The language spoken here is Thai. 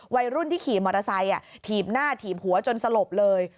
วัยรุ่นที่ขี่มอเตอร์ไซค์ถีบหน้าถีบหัวจนสลบเลย